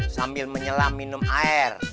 sambil menyelam minum air